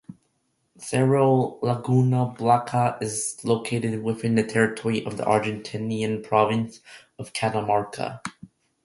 Cerro Laguna Blanca is located within the territory of the Argentinean province of Catamarca.